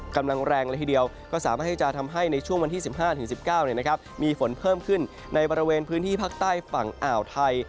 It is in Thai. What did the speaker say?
กำลังแรงเลยทีเดียวก็สามารถที่จะทำให้ในช่วงวันที่๑๕๑๙มีฝนเพิ่มขึ้นในบริเวณพื้นที่ภาคใต้ฝั่งอ่าวไทย